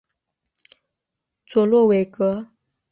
佐洛韦格。